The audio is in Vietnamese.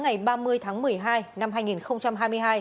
ngày ba mươi tháng một mươi hai năm hai nghìn hai mươi hai